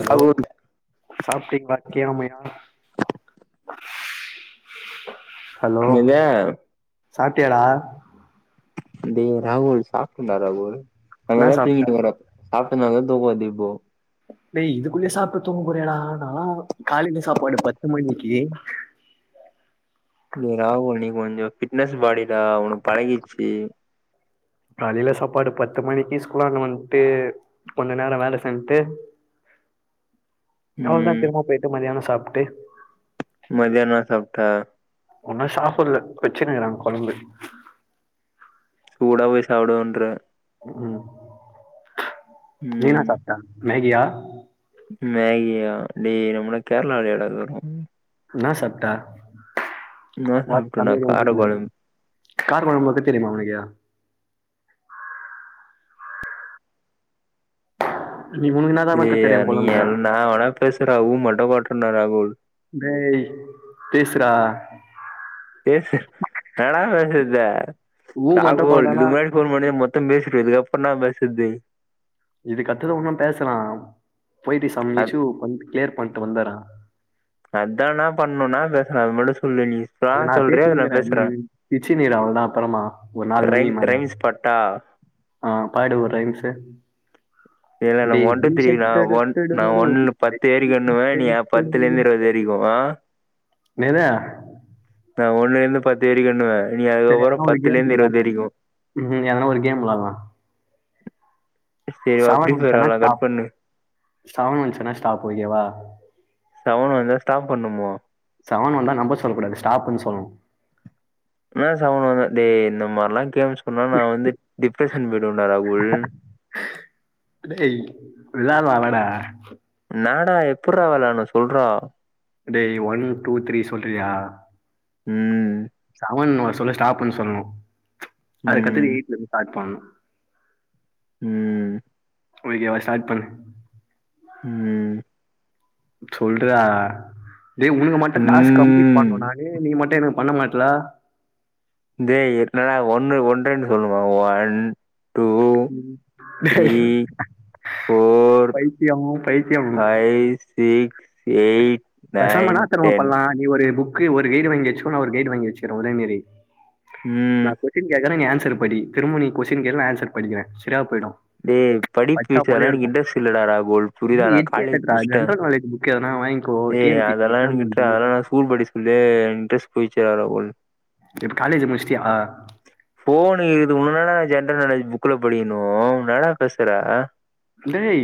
Hello ராகுல் சாப்ட்டிங்ளா க்கிய முயா [unintelligible] சாப்டீயாடா ஏ ராகுல் சாப்டண்டா ராகுல் என்ன அங்கதா சாப்ட்ட தூங்கிட்டு வர்றப்ப சாப்ட்ட நால தூக்குவாதிப்போ டேய் இதுக்குள்யே சாப்ட்டு தூங் போரியாடா ஆனா காலெயல சாப்பாடு பத்து மணிக்கு டேய் ராகுல் நீ கொஞ்சோ ஃபிட்னஸ் பாடிதா உனக் பலகிர்ச்சி காலேல சாப்பாடு பத்து மணிக்கி ஸ்கூல்லானு வந்ட்டு கொஞ்ச நேரோ வேல செஞ்ட்டு அவ்ளதா ம் திரும்ப பேட்டு மதியானோ சாப்ட் அப்டே மதியோ ந சப்ட்ட ஒன்னு சாப்புல்ல வச்சினுருக்றாங்க கொலம்பு சூடா போய் சாப்டோன்ற உம் நீ இன்னா ம் சாப்ட்ட மேகியா மேகியா டேய் நம்ளான்ன கேரளாவ்ல யாடா ருக்குறோ இன்னா சாப்ட்ட என்னா சாப்டோடா கார கொழம்பு கார கொலம்பு வக்க தெர்யுமா ஒனுக்கு நீ உனக்கு என்னாதான வெக்க டேய் தெரியு நீ கொழம்பு என்ன வேண்ணா பேசுடா ஊம போட்ருந்த ராகுல் டேய் பேஸுரா பேசு வேணான் பேசது ஊ மட்டு இதுக் போட்டானா முன்னாடி போன் மொத்தம் பேசரு இது அப்பனா வசதி இது கத்தது ஒன்னு பேசலாம் போய்ட்டு நா சமைச்சிசு க்ளியர் பண் வந்தாரா அதா என்னா பண்ணனுனா ந்த ம் அது நா பேசுனீங்க ந நீ சிச்சினுருக்குற அவள்தா அப்பறமா ஒரு நாலு மணிக்கு ரைம்ஸ் மேல ரைம்ஸ் பாட்ட ஆ பாடு ஒரு ரைம்ஸு இதுல நம்ம ஒன் டூ பேபி த்ரீ ஷக் நா ஒன் நா டுடுடுடுடு ஒன்ல பத்து வரைக்கு எண்ணுவே நீ பத்துல இருந்து இருவது வரைக்கு ஆ [inaudible] ந்து பத்து வரிக்கு எண்ணுவ நீ அதுக்கப்பறொ பத் கேம் ம் எதனா ஒரு கேம் விளால்லா சரி வா ஃப்ரீ செவன் ஃபயர் வன்ச்சுனா வெளாடலா கட் ஸ்டாப் பண்ணு செவன் வன்ச்சுன ஸ்டாப் ஓகேவா செவன் வந்தா ஸ்டாப் பண்ணுமா சவன் வந்தா நம்பர் சொல்லக்கூடாது ஸ்டாப்புன் சொல்ணு ஏ செவன் வந்தா டேய் இந்த மார்லா கேம் சொன்னா நா வந்து டிப்ரஷன் போய்டுவன்டா ராகுல் கா என்னாடா எப்புர்றா விளாட்ணு சொல்றா டேய் ஒன் டூ த்ரீ சொல்றியா ம் சவன் ஒரு சொல்லு ஸ்டாப்புன் சொல்ணு ம் அதுக்கத்தது எயித்ல இருந்து பாக் பண்ணணு ம் ஒரு கே வா ஸ்டாட் பண்ணு ம் சொல்றா டே உனக்கு மட்டு டாஸ்க் கம்ப்ளீட் ம் பண்ணுனாலே நீ மட் டேய் எனக்கு பண்ண மாட்றா டேய் என்னடா ஒன்னு ஒன் ரெண்டு சொல்லுமா ஒன் டூ த்ரீ டேய் ஃபோர் பைத்தியம் பைத்தியம் ஏய் பேசாம இன்னா தெரிமா பண்லா நீ ஒரு புக் க்கு ஒரு கைடு வெச்சுக்கோ நா ஒரு கைடு வாங்கி வெச்சுக்கிறே ஒரே மாரி ம் நா கொஸ்டின் கேக்கற நீ அன்ஸ் சேர் படி திரும்ப நீ கொஷின் கேளு நா ஆன்சர் படிக்கிறே சேரியா டே படிப்பு விஷயோலா எனக்கு இன்ட்ரெஸ்ட் இல்ல டா ரா போல் புரிதா டேய் நா காலேஜ் எஜுகேட்டட்ரா முடுச்சிட்டே ஜென்ரல் நாலேஜ் புக் எதனா வாங்கிக்கோ டி டேய் என் பி சி அதெல்லாம் நீ எக்ஸாம் விட்றா எழுது அதெல்லா நா ஸ்கூல் படி சொல்லே இன்ட்ரெஸ்ட் போயிச்சு அத ஒ இப்ப காலேஜ் முடிச்சிட்டியா ஃபோனு இதுக்கு முன்னால ஜென்ரல் நாலேஜ் புக்ல படிக்கணோ என்னடா பேசுற டேய்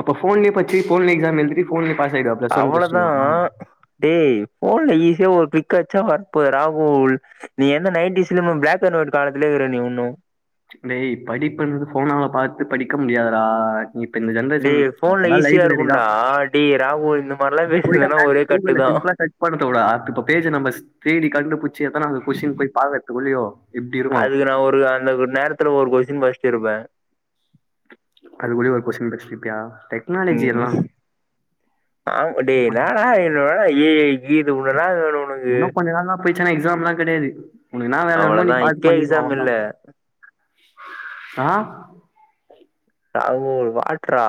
அப்ப ஃபோன்லே படிச்சி ஃபோன் எக்ஸாம் எழுதி ஃபோன் அவ்ளதான் டேய் ஃபோன்ல இதே ஒரு பிக் அட்ச்சா வர போதுடா ஓல் நீ என்ன நைன்டீஸ்ல இன்னமோ ப்ளாக் அண்ட் வொய்ட் காலத்துலயே இருக்க நீ இன்னோ டேய் படிப்பது ஃபோனால பார்த்து படிக்க முடியாதுடா நீ இப்ப இந்த ஜென்ரேஷன் டேய் ஃபோன்ல அப்பெல்லாம் ஈஸியா இருக்கும்டா டி ராகு இ போய்தான் மேக்ஸ் கூகுள்ல சிம்பிளா சர்ச் பண்ணு தோழா இப்ப பேஜ் நம்ம தேடி கண்டுபிடிச்சு எத்துனாது கொஸ்டின் போய்ப்பா உல்லுயோ அதுக்கு நான் ஒரு அந்த கு நேரத்துல ஒரு கொஸ்டின் படிச்சி படிச்சிருப்ப யா ம் ஆ அடேய் என்னடா என்னோட இ ஈது உள்ளலா உன்னு கொஞ்ச நாள்னா போய்ச்சுனா எக்ஸாம்லா கெடையாது உனக்கு என்ன வேல வேணுமோ நீ அவ்வளதா பாத்து இப்பயே பண்ணிக்க எக்ஸாம் அவ்ளோதா இல்ல ஆ தாங்கோல் வாட்ரா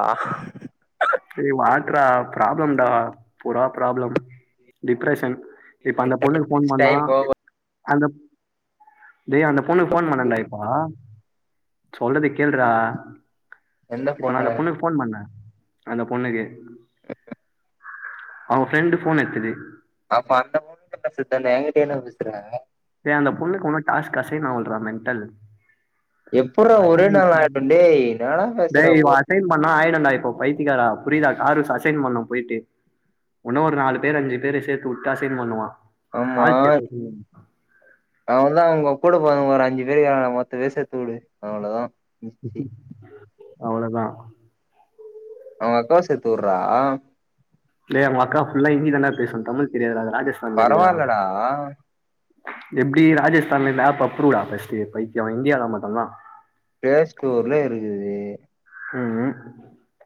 டேய் வாட்ரா பிராப்ளம்டா புரா பிராப்ளம் டிப்ரெஷன் இப்ப அந்த பொண்ணுக்கு ஃபோன் பண்ணா டைம் ஓவர் அந்தப் டேய் அந்த பொண்ணுக்கு ஃபோன் பண்ணெண்டா இப்போ சொல்றத கேள்றா எந்த இப்ப நா போனு அந்த பொண்ணுக்கு ஃபோன் பண்ணே அந்த பொண்ணுக்கு [inaudible] அவுங்க ப்ரெண்ட் ஃபோன் எட்த்தது அப்ப அந்த பொண்ணுக்கிட்ட பேசுர்துதான என்கிட்ட என்ன பேசுற டேய் அந்த பொண்ணுக்கு உன் டாஸ்க் கசின் ஆவளடா மென்டல் எப்புட்றா ஒரே அசைன் நாள்ல ஆயிடுச்சு ஆயிடும் டேய் என்ன டேய் இவன் அசைன் பண்ணா ஆயிடும் டேய் இப்போ பைத்திகாரா புரிதா கார்விச அசைன் பண்ணணும் போயிட்டு உன்னு ஒரு நாலு பேர் அஞ்சு பேரு சேத்துவுட்டு அசைன் பண்ணுவா ஆமா ஆள் சேத்து அசைன் பண்ணு அவதா அங்க கூட போறவனுங்க ஒரு அஞ்சு பேரு இருக்கானுங்க மொத்த வேஸ்ட் எத்து குடு அவ்ளோதா முட்ச்சு அவ்ளோதா அவுங்க அக்காவ சேத்து உடுறா டேய் அவுங்க அக்கா ஃபுல்லா இந்தி தாண்டா பேசு தமிழ் தெரியாது பரவாலடா எப்டி ராஜஸ்தான்ல இந்த ஆப் அப்ரூவ்டா ஃபர்ஸ்ட்டு பைத்தியு இந்தியால மட்டோதா பிளே ஸ்டோர்ல இருக்குது உ உம்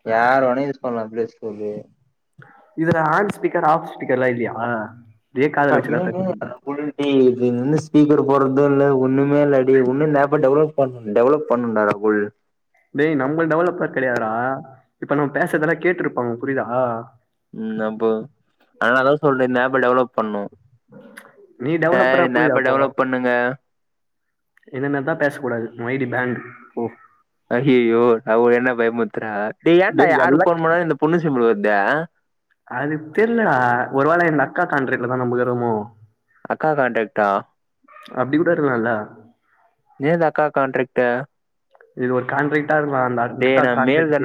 யார் ஓனா யூஸ் பண்லா [unintelligible] இதுல ஆன் ஸ்பீக்கர் ஆஃப் ஸ்பீக்கர்லா இல்லியா [unintelligible] ஸ்பீக்கர் போடுறதும் இல்ல ஒன்னுமே இல்லடே ஒன்னு இந்த ஆபே டவுன்லோட் பண்ணு டெவலப் பண்ணனு ராகுல் டேய் நம்ம டெவலப்பர் கெடையாது டா இப்ப நம்ம பேசறதெல்லா கேட்ருப்பாங்க புரியுதா உம் அப்போ அதனாலதா சொல்றே இந்த ஆப்ப டெவலப் பண்ணு நீ டெவலப்பரா சார் இந்த ஆப்ப டெவலப் பண்ணுங்க இந்த மார் தா பேசக் கூடாது உ ஐ டி பேண்ட் போ அய்யய்யோ அவரு என்ன பயமுத்திறார் டேய் ஏன்டா யாரு ஃபோன் பண்ணாலு இந்த பொண்ணு சிம்பல் வர்து கா காண்றட்லதா நம்ப இருக்கோறமோ அக்கா கான்ட்ராக்டா அப்டி கூட இருக்கலால்ல ஏது அக்கா கான்ட்ரக்ட் [unintelligible] இது ஒரு கான்ட்ரிக்ட் [unintelligible] இந்த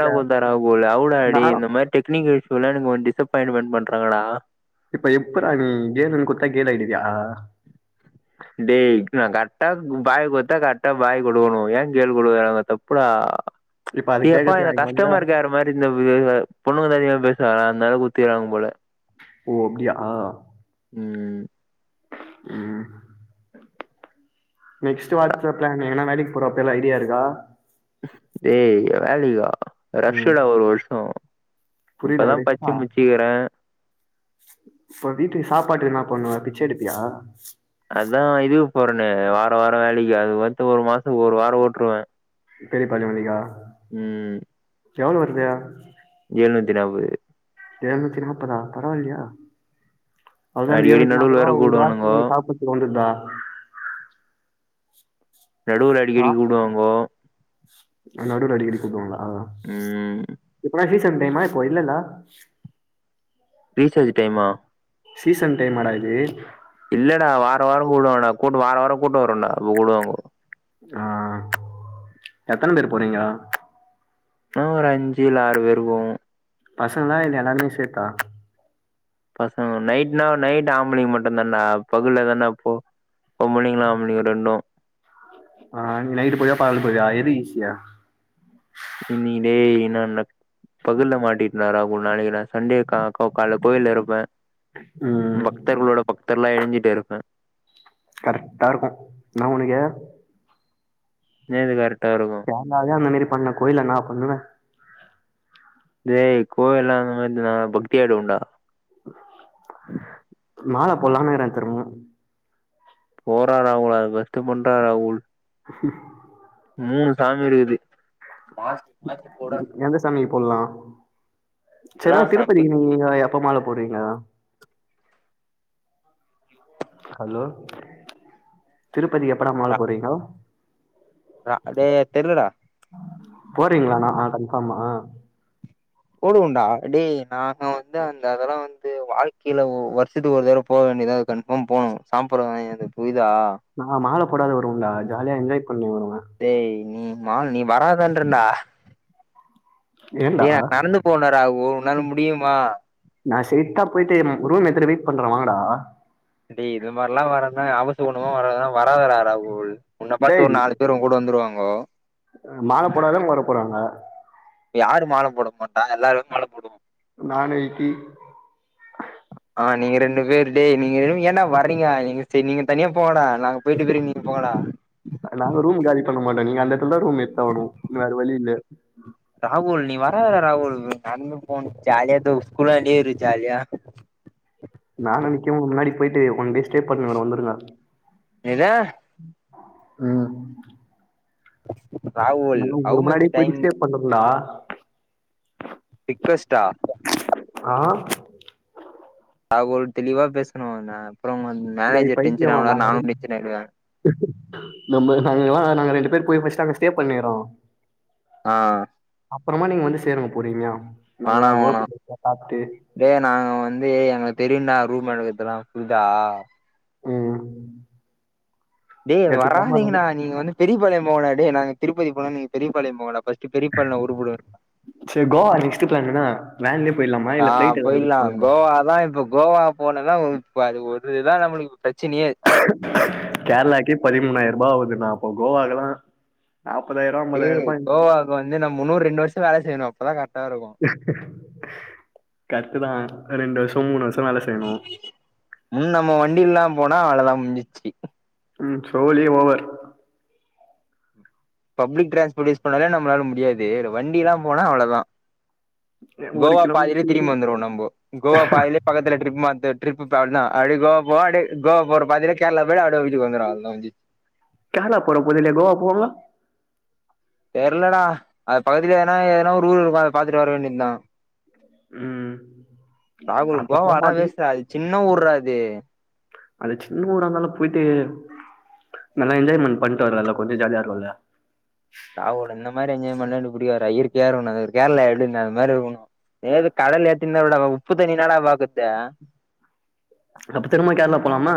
நானா மாதி டெக்னிக்கல் இஸ்யு எல்லா எனக்கு டிசப்பாயிண்ட்மெண்ட் பண்ற [unintelligible] இப்ப எப்பற நீ கேர்ள் குடுத்தா கேர்ள் ஆயிடுவியா டேய் நான் கரட்ட பாய் குடுத்தா கரட்டா பாய் கொடுகுனும் ஏன் கேர்ள் குடுக்குறாங்க தப்புடா இப்ப அது ஏப்பா கேக்கறதுக்கு என அங்க வந்தா கஷ்டமா இருக்கயற மாரி இந்த பொண்ணுங்க தைரியமா பேசுவா அந்தால குத்திடுங்க போல ஓ அப்டியா ம். ம் நெக்ஸ்ட் வாட்ஸ் பிளன்னு வேலைக்கு போறோ அப்ப எல்லா ஐடியா இருக்கா ஏய் வேலிகா ம் ரஷ்டா ஒரு வருஷம் புரியல இப்பதான் பச்சு ரிஸ்கா முச்சிக்கிற இப்ப வீட்டுக்கு சாப்பாட்டுக்கு என்ன பண்ணுவ பிச்ச எடுப்பியா அதா இதுக்கு போறனே வார வார வேலைக்கு அது வந்து ஒரு மாசம் ஒரு வாரம் ஓட்டுருவ பெரிய பாளிமல்லிகா எவள வருது எழுநூத்தி நாப்பது எழுநூத்தி நாப்பதா பரவாயில்லையா அந்த அடிக்கடி எழுநூத்தி நடுவுல நாப்பது வேற ஒரு வாரத்துக்கு கூப்டுவானுங்கோ உனக்கு சாப்டறதுக்கு வந்துருதா நடுவுல ஆ அடிக்கடி கூடுவாங்கோ உதவுனா ஆஹ் இப்பனா கீ சந்தைமாக்கோ இல்லண்ணா ரீசார்ஜ் டைமா சீசன் டைமாடா இது இல்லடா வாரம் வாரம் கூடுவாடா கூட்டு வார வாரம் கூட்டம் வரும்டா அப்ப கூடுவாங்க ஆஹ் எத்தனை பேர் போறீங்க ம் ஒரு அஞ்சுல ஆறு போவோம் பசங்களா இல்ல எல்லாருமே சேத்தா பசங்க நைட்னா நைட் ஆம்பளங்க மட்டும் தான்டா பகுல தானா போ பொம்பளைங்களு ஆம்பளைங்க ரெண்டு ஆஹ நீ நைட்டு போரீயா பகல் போரீயா எது ஈசி இயா நீ நீடே என்ன நடக் பகல்ல மாட்டிட்னாரா நாளைக்கு நான் சண்டே கால கோவில்ல இருப்பேன் ம் பக்தர்களோட பக்தர் நல்லா ஏஞ்சிட்டே இருப்பேன் கரெக்டா இருக்கும் நான் உனக்கே நேது கார சேந்தான் அந்த மாரி பண்ண கோயில நான் பண்ணுவேன் இதய் கோவில்லாம் அந்த மாதிர பக்தியாயீடு வண்டா மாலை போலாம்னு தருவும் போறா ராகுல் அது வெத்து பண்றா ராகுல் [inaudible] மூணு சாமி இருக்குது மாத்தி மாத்தி போடா போல்லாம் சன்னா திருப்பதி சாமியும் நீ எப்ப மால போரீங்களா? ஹலோ திருப் இப்படி எப்படா மாலை போறீங்க இல்லடா போறீங்களாண்ணா ஆஹ் கன்பார்மா போடுவோண்டா டே நாங்க வந்து அந்த அதெல்லாம் வந்து வாழ்க்கையில வருஷத்துக்கு ஒரு தடவை போக வேண்டியதான்து கன்ஃபார்ம் போனோம் சாப்பிடடுற ஆஹ் மாலை போடாது வருங்களா ஜாலியா என்ஜாய் பண்ணி வருவே டெய் நீ மா நீ வராதன்றந்தா ஏன்டா உன்னால முடியுமா நான் செத்தா போயிட்டு ரூம் எத்து வீ பண்ற வாங்கடா டேய் இது மாதிரிலாம் வர்ணா அவசகுணமா வராதரா ராகுல் உன்ன பாத்து டேய் ஒரு நாலு பேரு உங்கூட வந்துருவாங்க ஹ மால போடாத அங்க வர போறாங்க யாரு மால போட மாட்டா எல்லாருமே மால போடுவோம் நாணயத்தில் ஆஹ் நீங்க ரெண்டு பேர் டே நீங்க ஏன்டா வரீங்க நீங்க சரி நீங்க தனியா போங்கடா நாங்க போயிட்டு பிறகு நீங்க போங்கடா நாங்க ரூம் காலி சொல்ல மாட்ட நீ அந்த நல்ல ரூம் எடுத்தாகனும் வேற வழி இல்ல ந போ ஜாலியா த ஸ்கூல ஜாலியா [inaudible] நான் நெனைக்கும் முன்னாடி போயிட்டு ஒன் டே ஸ்டே பன்னவேனா வந்துருங்க எதே ம் ஹ [inaudible] நாங்க உங்குள முன்னாடியே போயிட்டு ஸ்டே பண்ணட்டுங்களா [inaudible] ரிக்கவஸ்டா ஆ ராகுல் தெளிவா பேசணோ நா அப்புறோ டேய் மேனேஜர் பைத்தியோ டென்ஷன் ஆவுனாரு நாங்க நானு ரெடி டென்ஷன் ஆயிடுவே நம்ம நாங்களா நாங்க ரெண்டு போய் பஸ்ட் அங்க நாங்க ஸ்டே பண்ணிறோ ஆ அப்புறமா நீங்க வந்து சேருங்க பொறும்யா வேணா வேணா டேய் நாங்க வந்து எங்களுக் தெரியும்ண்டா ரூம் எடுக்குறதுக் இதலா ஃபுட்டா ம் டே அங்க எத்துக்கலாமா ரூமு வராதீங்கடா நீங்க வந்து பெரிய பாளையம் போங்கடா டேய் நாங்க திருப்பதி போனா நீங்க பெரியப்பாளையம் போங்கடா ஃபர்ஸ்ட் பெரியபாளையம் உருப்பிடுவேன் சரி கோவா நெக்ஸ்ட் பிளான் என்னா வேன்லயே போயிடலாமா ஆ இல்ல பிளைட் எதுனா போயிலா புக் பண்ணலாமா கோவாதா இப்போ கோவா போனதாம்ப்பது ஒருதுதான் நம்முளுக்கு ப்ரெச் கேர்லாக்கே பதிமூனாயிருபா ஆவுது நா அப்போ கோவாகல்லா இரு [unintelligible] நம்முன்னோ ரெண்டு வர்ஷ் ம் வேல செய்யணும் கத்துனா ரெண்டு வர்ஷ் [unintelligible] ம் நம்மோ வண்டில்லாம் போனா அவளதா முஞ்சிச்சு ம் சோலி ஓவர் பப்ளிக் டிரான்ஸ்போர்ட் யூஸ் பண்ணலே நம்மளால முடியாது இதுல வண்டிலா போனா அவ்ளவுதா ஒரு கோவா பாதிலே கிலோமீட்டர் திரும்பி வந்துருவோம் நம்போ கோவா பாதிலே பக்கத்துல ட்ரிப் மாத்து ட்ரிப்பு பாத்னா அப்டே கோவா போவா அப்டே கோவா போற பாதையில கேரளா போயிட்டு அப்டே வீட்டுக்கு வந்துருவோ அவள்தா முஞ்சிட்சி கேரளா போற போதையிலயா கோவா போவாங்க தெர்லடா அது பக்கத்திலே எனா எதனா ஒரு ஊர் இருக்கு அதே பாத்துட்டு வர வேண்டித்தா ம் [unintelligible] அப்ப கோவா போக ஆனா மாட்டோம் வேஸ்ட்ரா அது சின் இன்னா ஊற்றா அது அது சின்ன ஊரா இருந்தாலும் போயிட்டு நல்லா என்ஜாய்மெண்ட் பண்ட்டு வர்லால்ல கொஞ்ச ஜாலியா இருக்குல்ல நா ஒடனம் இன்மாரி அன்யாயோ பண்ணா எனக்கு புடிக்காத்றா இயற்கியா இருக்குனோ கேர்ளா எப்டி இந் அந் மாரி இருக்குனோ எதாவ்து கடல் [unintelligible] உப்பு தண்ணி இன்னாடா பாக்குற்தே அப்ப திரும்ப கேரளா போலாமா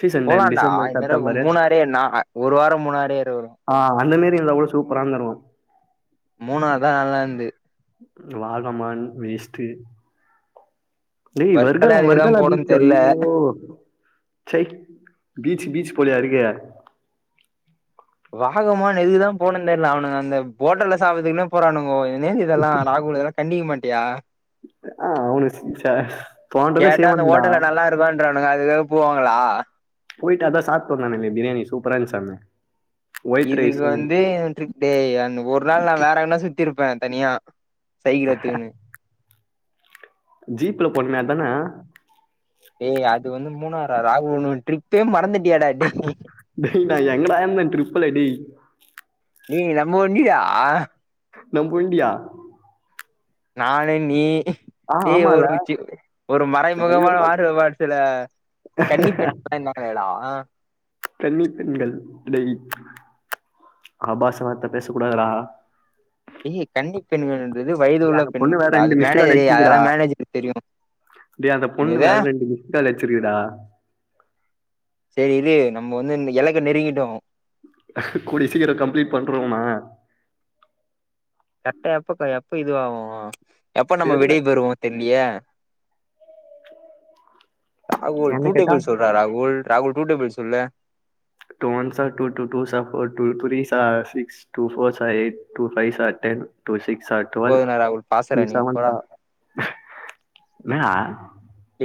சீசன் டைம் போலான்டா டிசம்பர் இந்நேரோ செப்டம்பரு மூணாரே நா ஒரு வாரோ மூணாரே இருக்கணு ஆ அந்த மேர் [unintelligible] இருந்தா கூட சூப்பரா இருந்துருக்கும் மூணாறு தா நல்லா இருந்துது ம் வாகமான் வேஸ்ட்டு டேய் ஒர்க்கெல்லா வர்கலா எதுக்குதா வர்கலா பீச்ச போனோன்னு தெர்ல ஐயோ பீச் பீச் போலியா இருக் இ ஏ வாகமான் ஏதுக்கு தா போனுன் தெர்ல அவனுங்க அந்த போட்டல்ல சாப்படுதுக்குமே போறானுங்க எ நேது இதல்லா ராகுலு இதெல்லா கண்டிக்க மாட்டியா ஆ ஆ அவனு ச ச தோன்றத செய்வானுங்டா ங்க அதுக்காக போவாங்களா போயட்டு அதா சாப்ட்டு வந்தானாமே பிரியாணி சூப்பற இந்துசாமே இதுக்கு வந்து த்ரிப் டேய் அந்த ஒரு நாள் நான் வேற எங்கன்னா சுத்தி இருப்பேன் தனியா சைக்கிள் எத்துக்குனு ஜீப்ல போண்மே அத் தானே டேய் அது வந்து மூணாறா ராகுல்னு உன் ட்ரிப்பே மறந்துட் டே நா எங்கடாயிந்த ட்ரிப்புல டேய் ஏ நம்ப வண்டிடா நம்ப வண்டியா நானு நீ டேய் ஆமால ஒரு ஒரு நெறைய மறைமுகமான மாதவ படத்துல கன்னிப் பெண்லா இருதாங்களே டா கன்னி பெண்கள் டேய் ஆபாச வார்த்த பேச கூடாதுடா ஏ கன்னிப் பெண்கள் சிறு வயது உள்ள அந்த பொண்ணு வேற பெண்கள் அது ரெண்டு மிஸ்டு கால் மேனேஜர் அதெல்லா அடிச்சிருக்குடா மேனேஜர்க்கு தெரியு டேய் அந்த பொண்ணு என்னாது வேற ரெண்டு மிஸ்டு கால் அடிச்சிருக்குடா செரி இரு நா நம்ம வந்து நம்ம இலக்க நெருங்கிட்டோ கூடிய சீக்கிரோ கம்ப்ளீட் பண்றுவோமா கரெக்ட்டா எப்ப எப்ப இதுவாகோ எப்ப நம்ம தெர்ல விடை பெறுவோ தெர்லயே ராகுல் என்ன டூ கேட்டா டேபிள் சொல்றா ராகுல் ராகுல் டூ டேபிள் சொல்லு two ones are two two twos are four two threes are six two fours are eight two fives are ten two sick ஸ் ஆர் ட்வெல் போதுடா ராகுல் பாசற டூ நீ செவன் போடா ஸ்ஆர் என்னடா டேய்